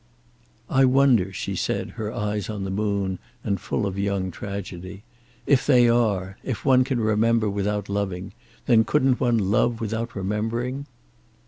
"I wonder," she said, her eyes on the moon, and full of young tragedy. "If they are, if one can remember without loving, then couldn't one love without remembering?"